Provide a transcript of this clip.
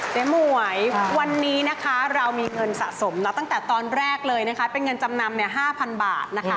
เจ๊หมวยวันนี้เรามีเงินสะสมตั้งแต่ตอนแรกเลยเป็นเงินจำนำ๕๐๐๐บาท